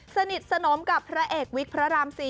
สนิทสนมกับพระเอกวิกพระราม๔